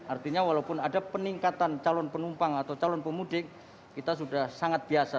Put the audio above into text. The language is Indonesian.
artinya walaupun ada peningkatan calon penumpang atau calon pemudik kita sudah sangat biasa